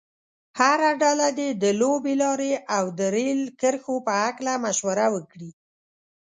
هره ډله دې د لویې لارې او د ریل کرښو په هلکه مشوره وکړي.